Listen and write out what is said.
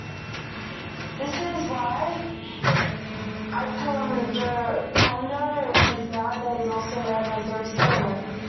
This is why Ikondokondo is nowadays also known as "the Resettlement".